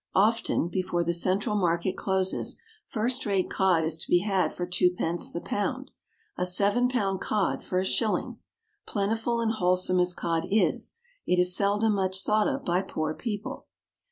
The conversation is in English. Often before the Central Market closes, first rate cod is to be had for twopence the pound a seven pound cod for a shilling. Plentiful and wholesome as cod is, it is seldom much thought of by poor people.